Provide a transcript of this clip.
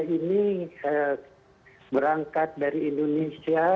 ini berangkat dari indonesia